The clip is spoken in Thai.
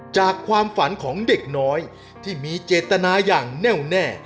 จากความฝันของเด็กน้อยที่มีเจตนาอย่างแน่วแน่